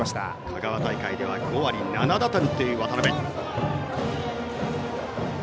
香川大会では５割７打点の渡邊。